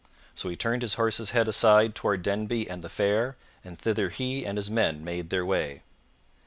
So he turned his horse's head aside toward Denby and the fair, and thither he and his men made their way.